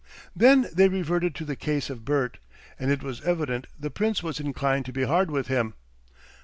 Then they reverted to the case of Bert, and it was evident the Prince was inclined to be hard with him.